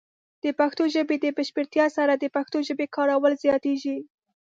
د پښتو ژبې د بشپړتیا سره، د پښتو ژبې کارول زیاتېږي.